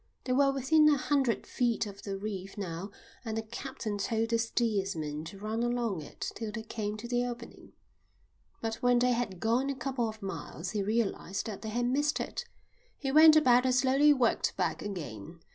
They were within a hundred feet of the reef now and the captain told the steersman to run along it till they came to the opening. But when they had gone a couple of miles he realised that they had missed it. He went about and slowly worked back again.